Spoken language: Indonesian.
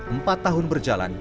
empat tahun berjalan